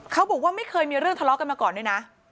เขาบอกว่าไม่เคยมีเรื่องทะเลาะกันมาก่อนด้วยนะ